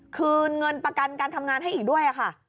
คืนเงินประกันการทำงานให้อีกด้วยค่ะ